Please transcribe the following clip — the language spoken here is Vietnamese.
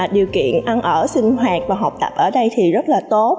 điều kiện ăn ở sinh hoạt và học tập ở đây thì rất là tốt